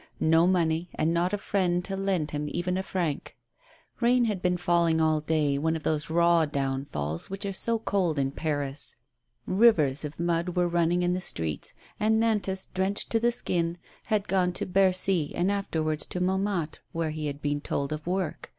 No money, and not a friend to lend him even a franc. Eain had been falling all day, one of those raw downfalls which are so cold in Paris. Eivers of mud were run ning in the streets, and Nantas, drenched to the skin, had gone to Bercy and afterwards to Montmartre, where he had been told of work.